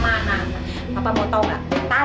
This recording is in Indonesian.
papa mau tau gak